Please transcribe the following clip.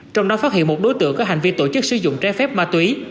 trong đó phát hiện một đối tượng có hành vi tổ chức sử dụng trái phép ma túy